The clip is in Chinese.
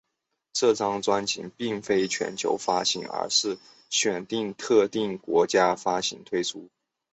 这张专辑并非全球发行而是选定特定国家发行推出。